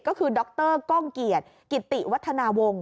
ก็คือดรก้องเกียรติกิติวัฒนาวงศ์